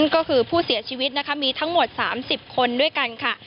ก็คือผู้เสียชีวิตนะคะมีทั้งหมด๓๐คนด้วยกันค่ะ